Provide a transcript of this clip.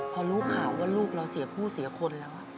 พอรู้ข่าวว่าลูกเราเสียผู้เสียคนแล้ว